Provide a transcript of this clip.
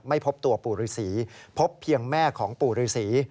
ไม่พบตัวปู่รือศรีพบเพียงแม่ของปู่รือศรี